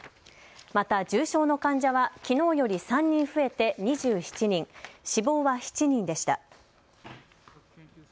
また重症の患者はきのうより３人増えて２７人、死亡は７人でした。